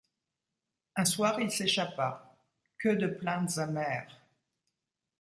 Un soir il s’échappa. Que de plaintes amères !